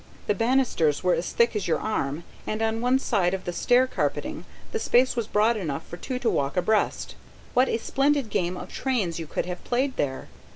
The banisters were as thick as your arm, and on each side of the stair carpeting the space was broad enough for two to walk abreast: what a splendid game of trains you could have played there!